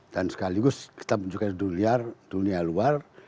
dan sekaligus kita menunjukkan di dunia luar